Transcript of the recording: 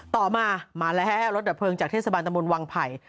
ต่อมามาแล้วฮะรถดับเพลิงจากเทศบาลตะมนต์วังไผ่